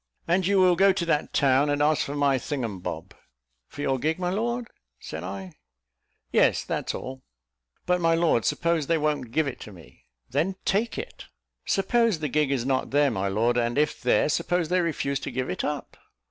"And you will go to that town, and ask for my thingumbob." "For your gig, my lord?" said I. "Yes, that's all." "But, my lord, suppose they won't give it to me?" "Then take it." "Suppose the gig is not there, my lord, and if there, suppose they refuse to give it up?"